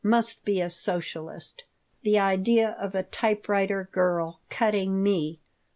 Must be a Socialist. The idea of a typewriter girl cutting me!